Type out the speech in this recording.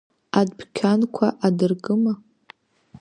Адәқьанқәа адыркыма?